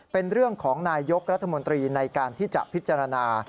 เป็นเรื่องของนายยกรัฐมนตรีในการที่จะพิจารณา